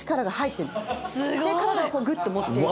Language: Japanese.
で、体をグッと持っていける。